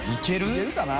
いけるかな？